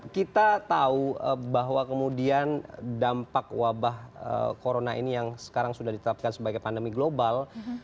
kita tahu bahwa kemudian dampak wabah corona ini yang sekarang sudah ditetapkan sebagai pandemi global